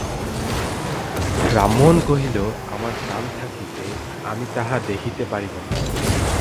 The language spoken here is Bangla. রামমোহন কহিল, আমার প্রাণ থাকিতে আমি তাহা দেখিতে পারিব না।